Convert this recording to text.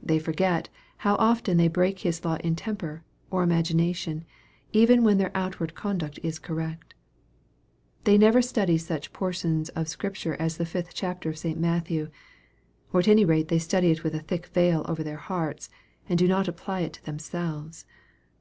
They forget how often they break His law in temper, or imagination, even when their outward conduct is correct. They never study such portions of Scripture as the fifth chapter of St. Matthew, or at any rate they study it with a thick veil over their hearts, and do not apply it to themselves.